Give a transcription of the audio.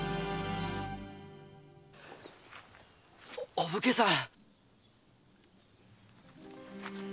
お武家さん！